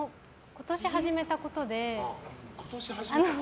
今年始めたことで。